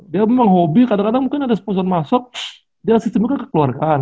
dia memang hobi kadang kadang mungkin ada sponson masuk dia sistemiknya kekeluargaan